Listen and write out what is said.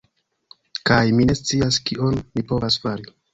Kaj, mi ne scias kion mi povas fari.